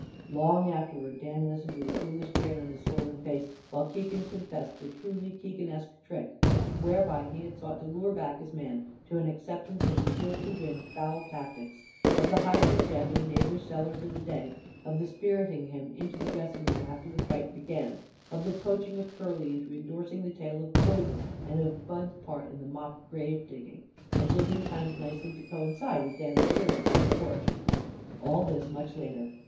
(Long afterwards Dan listened with a foolish grin on his swollen face while Keegan confessed the truly Keeganesque trick whereby he had sought to lure back his man to an acceptance of the sure to win foul tactics; of the hiding of Jeff in a neighbour's cellar for the day; and the spiriting of him into the dressing room after the fight began; of the coaching of Curly into indorsing the tale of poison and of Bud's part in the mock grave digging, a digging timed nicely to coincide with Dan's appearance on the porch.) All this, much later.